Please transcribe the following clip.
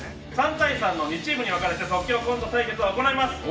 ３対３の２チームに分かれて即興コント対決を行います。